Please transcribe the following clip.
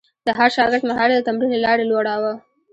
د هر شاګرد مهارت د تمرین له لارې لوړاوه.